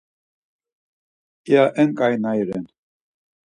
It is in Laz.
İya en ǩainari ren.